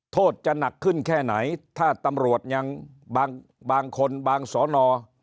โทษจะหนักขึ้นแค่ไหนถ้าตำรวจยังบางคนบางสอนอ